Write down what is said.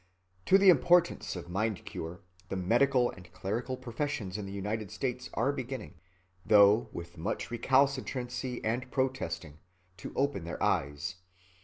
To the importance of mind‐cure the medical and clerical professions in the United States are beginning, though with much recalcitrancy and protesting, to open their eyes.